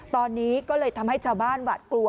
ตอนนี้ก็เลยทำให้ชาวบ้านหวาดกลัว